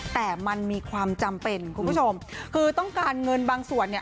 แต่มันมีความจำเป็นคุณผู้ชมคือต้องการเงินบางส่วนเนี่ย